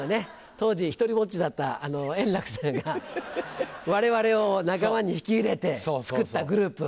当時独りぼっちだった円楽さんが我々を仲間に引き入れて作ったグループ。